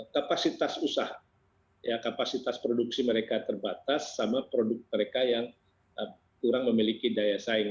kapasitas usaha kapasitas produksi mereka terbatas sama produk mereka yang kurang memiliki daya saing